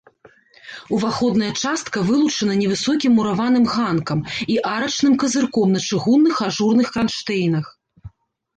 Уваходная частка вылучана невысокім мураваным ганкам і арачным казырком на чыгунных ажурных кранштэйнах.